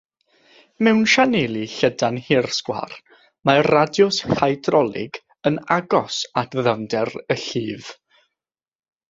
Mewn sianeli llydan hirsgwar, mae'r radiws hydrolig yn agos at ddyfnder y llif.